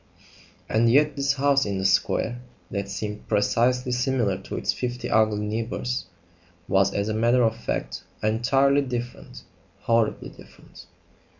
And yet this house in the square, that seemed precisely similar to its fifty ugly neighbours, was as a matter of fact entirely different horribly different.